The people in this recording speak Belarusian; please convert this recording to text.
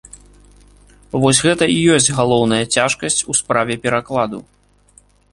Вось гэта і ёсць галоўная цяжкасць у справе перакладу.